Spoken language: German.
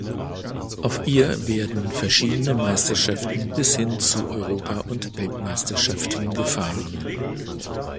Auf ihr werden verschiedene Meisterschaften bis hin zu Europa- und Weltmeisterschaften gefahren.